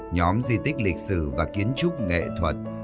nhóm di tích lịch sử và kiến trúc nghệ thuật